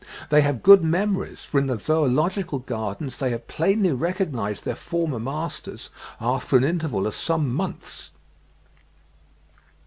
They have good memories, for in the Zoological Gardens they have plainly recognised their former masters after an interval of some months.